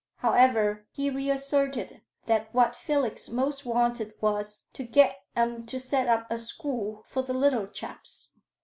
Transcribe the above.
However, he reasserted that what Felix most wanted was, "to get 'em to set up a school for the little chaps."